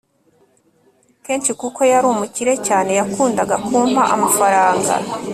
kenshi kuko yari umukire cyane yakundaga kumpa amafarang